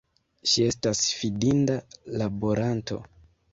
Ŝi estas fidinda laboranto.